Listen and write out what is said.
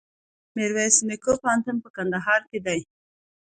میرویس نیکه پوهنتون په کندهار کي دی.